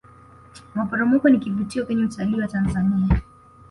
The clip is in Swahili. maporomoko ni kivutio kwenye utalii wa tanzania